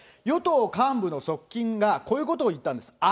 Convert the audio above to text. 与党幹部の側近がこういうことを言ったんです。